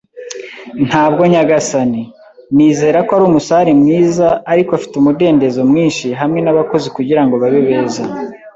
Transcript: “Ntabwo, nyagasani. Nizera ko ari umusare mwiza, ariko afite umudendezo mwinshi hamwe nabakozi kugirango babe beza